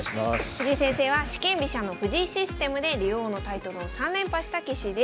藤井先生は四間飛車の藤井システムで竜王のタイトルを３連覇した棋士です。